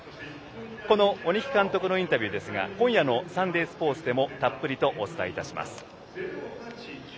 この鬼木監督のインタビューは今夜の「サンデースポーツ」でもたっぷりとお伝えいたします。